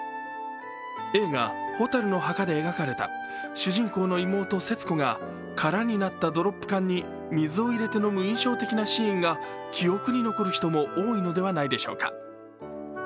映画「火垂るの墓」で描かれた主人公の妹・節子が空になったドロップ缶に水を入れて飲む印象的なシーンが記憶に残る人も多いのではないでしょうか。